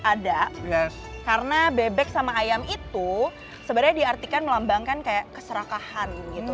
ada karena bebek sama ayam itu sebenarnya diartikan melambangkan kayak keserakahan gitu